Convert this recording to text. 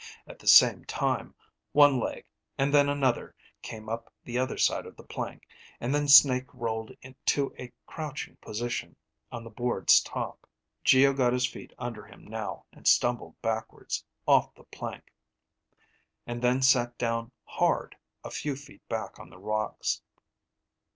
At the same time, one leg, and then another, came up the other side of the plank, and then Snake rolled to a crouching position on the board's top. Geo got his feet under him now, and stumbled backwards, off the plank, and then sat down hard a few feet back on the rocks.